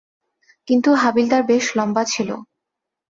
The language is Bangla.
কিন্তু হাবিলদার বেশ লম্বা ছিল।